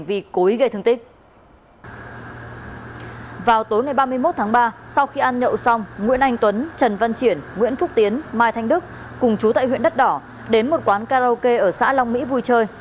vào tối ngày ba mươi một tháng ba sau khi ăn nhậu xong nguyễn anh tuấn trần văn triển nguyễn phúc tiến mai thanh đức cùng chú tại huyện đất đỏ đến một quán karaoke ở xã long mỹ vui chơi